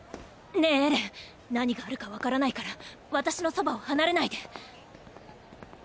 ねぇエレン何があるかわからないから私のそばを離れないで。